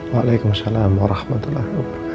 waalaikumsalam warahmatullahi wabarakatuh